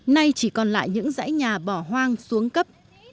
nay chỉ còn lại những dãy nhà bỏ hoang xuống cấp